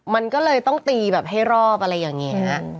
มันก็เลยต้องตีแบบให้รอบอะไรอย่างนี้